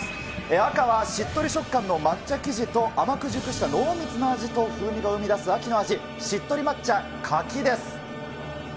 赤はしっとり食感の抹茶生地と甘く熟した濃密な味と風味が生み出す秋の味、しっとり抹茶、柿です。